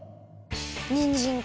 にんじんか。